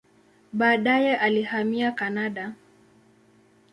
Baadaye alihamia Kanada.